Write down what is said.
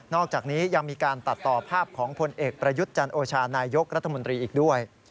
อกจากนี้ยังมีการตัดต่อภาพของพลเอกประยุทธ์จันโอชานายกรัฐมนตรีอีกด้วย